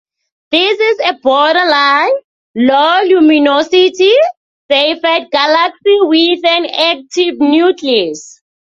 This is a borderline, low-luminosity Seyfert galaxy with an active nucleus.